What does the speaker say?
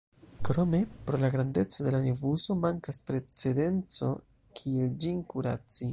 Krome, pro la grandeco de la nevuso, mankas precedenco kiel ĝin kuraci.